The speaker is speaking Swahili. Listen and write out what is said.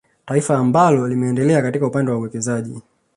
Taifa amabalo limeendelea katika upande wa uwekezaji